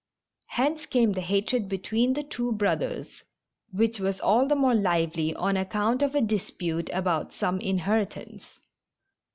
Hence came the hatred between the two brothers, which was all the more lively on account of a dispute about some inheritance.